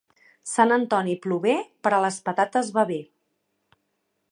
Sant Antoni plover per a les patates va bé.